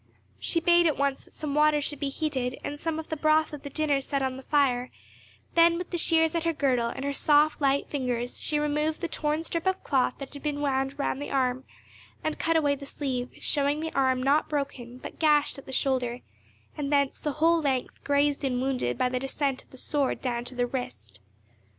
She bade at once that some water should be heated, and some of the broth of the dinner set on the fire; then with the shears at her girdle, and her soft, light fingers, she removed the torn strip of cloth that had been wound round the arm, and cut away the sleeve, showing the arm not broken, but gashed at the shoulder, and thence the whole length grazed and wounded by the descent of the sword down to the wrist.